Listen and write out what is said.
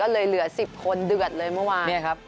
เหลือ๑๐คนเดือดเลยเมื่อวาน